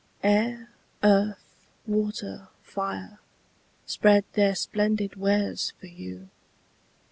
Air, earth, water, fire, spread their splendid wares for you.